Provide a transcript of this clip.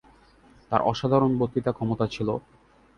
তার অসাধারণ বক্তৃতা ক্ষমতা ছিল।